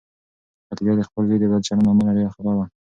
خدیجه د خپل زوی د بد چلند له امله ډېره خفه وه.